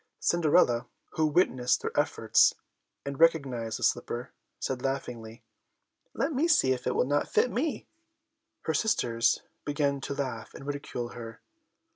Cinderella, who witnessed their efforts and recognised the slipper, said, laughingly, "Let me see if it will not fit me." Her sisters began to laugh and ridicule her.